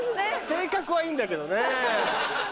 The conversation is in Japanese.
性格はいいんだけどね。